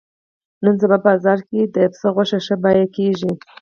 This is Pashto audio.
نن سبا په بازار کې د پسه غوښه ښه بیه کېږي.